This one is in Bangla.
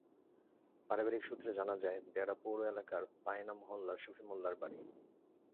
পারিবারিক সূত্রে জানা যায়, বেড়া পৌর এলাকার পায়না মহল্লায় শফি মোল্লার বাড়ি।